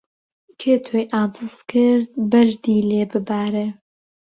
کێ تۆی عاجز کرد بەردی لێ ببارێ